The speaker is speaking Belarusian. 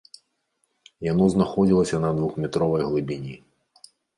Яно знаходзілася на двухметровай глыбіні.